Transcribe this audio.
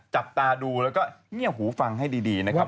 จับตาดูแล้วก็เงียบหูฟังให้ดีนะครับ